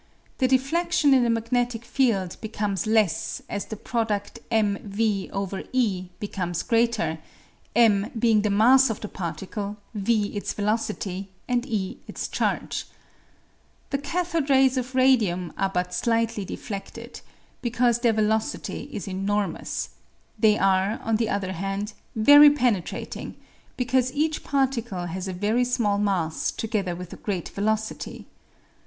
The defledion in a magnetic field becomes less as the produd 1 becomes greater ; m being the mass of the particle, v its velocity, and e its charge, The cathode rays of radiuni Chemical News, 0(St. 23, 1903. Radio active Substances. 201 are but slightly defledted, because their velocity is enormous ; they are, on the other hand, very penetrating, because each particle has a very small mass together with a great velocity.